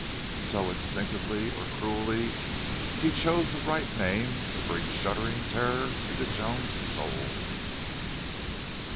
So, instinctively or cruelly he chose the right name to bring shuddering terror into Joan's soul.